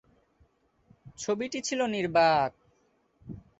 ছবিটি ছিল নির্বাক।